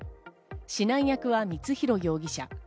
指南役は光弘容疑者。